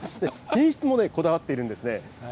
品質もこだわっているんですね。